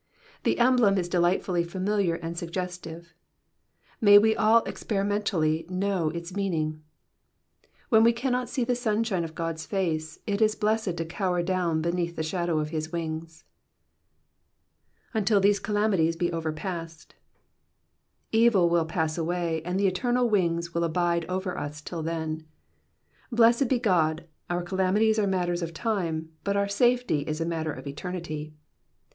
The emblem is delightfully familiar and suggestive. May we all experimentally know its meaning. When we cannot see the sunshine of God's face, it is blessed to cower down beneath the shadow of his wings. *•' Until these calamities be overpasf^ Evil will pass away, and the eternal wings will abide over us till then. Blessed be God, our calamities are matters of time, but our safety is a matter of eternity.